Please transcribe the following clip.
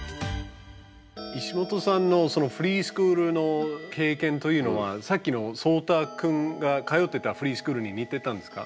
石本さんのそのフリースクールの経験というのはさっきのそうたくんが通ってたフリースクールに似てたんですか？